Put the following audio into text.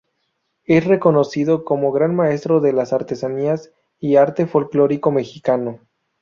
Es reconocido como gran maestro de las artesanías y arte folklórico mexicano.